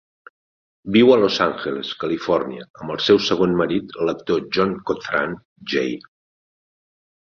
Viu a Los Angeles, Califòrnia amb el seu segon marit, l'actor John Cothran J.